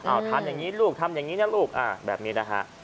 เอาทำอย่างนี้ลูกทำอย่างนี้นะลูกแบบนี้นะฮะ